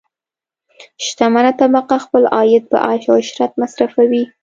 شتمنه طبقه خپل عاید په عیش او عشرت مصرفوي.